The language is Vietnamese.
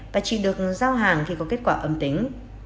và chỉ được giao hàng khi có kết quả âm tính